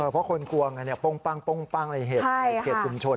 เพราะคนกวงป้องปังในเหตุเกษตรคุมชน